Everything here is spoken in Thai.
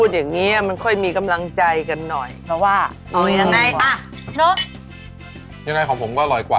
ด้วงอีกค่ะฮ่า